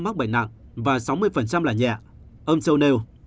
mắc bệnh nặng và sáu mươi là nhẹ ông châu nêu